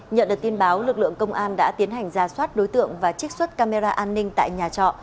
nhận được tin báo lực lượng công an đã tiến hành ra soát đối tượng và trích xuất camera an ninh tại nhà trọ